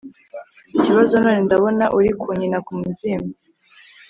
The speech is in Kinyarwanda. kibazo none ndabona uri kunkina kumubyimba